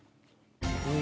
うん。